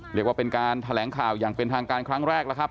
เรียกว่าเป็นการแถลงข่าวอย่างเป็นทางการครั้งแรกแล้วครับ